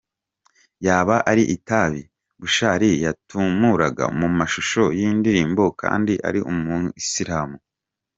Yaba ari itabi bushali yatumuraga mu mashusho y’indirimbo kandi ari umuyisilamu